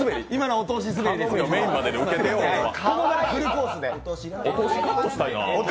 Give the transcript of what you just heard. お通しカットしたいな。